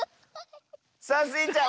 さあスイちゃん